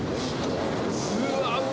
うわ。